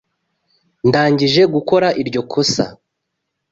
Ndangije gukora iryo kosa.